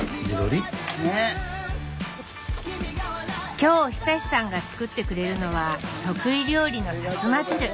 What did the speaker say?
今日久さんが作ってくれるのは得意料理の「さつま汁」。